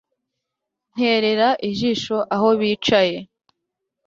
nterera ijisho aho bicaye